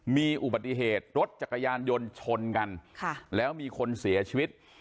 มีอุบัติเหตุรถจักรยานยนต์ชนกันแล้วมีคนเสียชีวิต